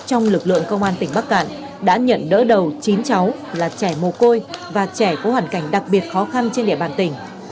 trong lực lượng công an tỉnh bắc cạn đã nhận đỡ đầu chín cháu là trẻ mồ côi và trẻ có hoàn cảnh đặc biệt khó khăn trên địa bàn tỉnh